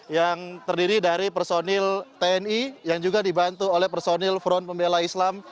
yang terdiri dari personil tni yang juga dibantu oleh personil front pembela islam